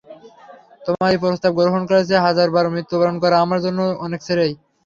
তোমার এই প্রস্তাব গ্রহণ করার চেয়ে হাজার বার মৃত্যুবরণ করা আমার জন্য অনেক শ্রেয়।